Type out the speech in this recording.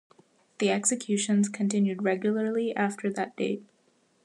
The executions continued regularly after that date.